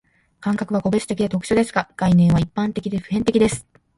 感覚は個別的で特殊ですが、概念は一般的で普遍的です。